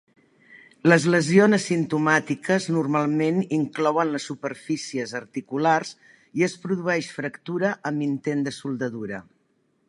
Les lesiones simptomàtiques normalment inclouen les superfícies articulars i es produeix fractura amb intent de soldadura.